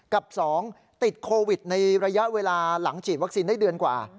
กับ๒ติดโควิดในระยะเวลาหลังฉีดวัคซีนได้เดือนกว่า